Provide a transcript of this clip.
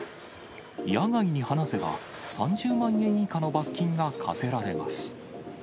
野外に放せば、３０万円以下の罰金が科せられます。